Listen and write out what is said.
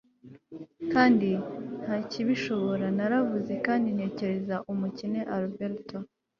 Kandi ntakibishobora naravuze kandi ntekereza umukene Albert